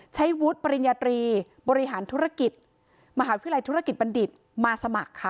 ใช้วุฒิปริญญาตรีบริหารธุรกิจมหาวิทยาลัยธุรกิจบัณฑิตมาสมัครค่ะ